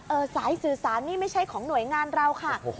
สายสื่อสารนี่ไม่ใช่ของหน่วยงานเราค่ะ